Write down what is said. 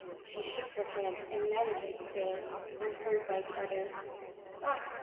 She shook her head and managed to say, unheard by the others :" Ah !